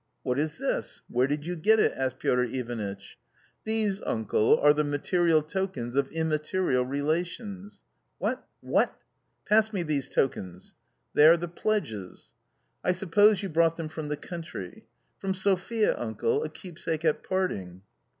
"What is this? Where did you get it?" asked Piotr Ivanitch. "These, uncle, are the material tokens of immaterial relations." " What — what? Pass me these tokens." " They are the pledges "" I suppose you brought them from the country ?"" From Sophia, uncle, a keepsake at parting."